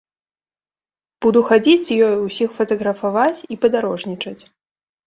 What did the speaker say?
Буду хадзіць з ёю, усіх фатаграфаваць і падарожнічаць.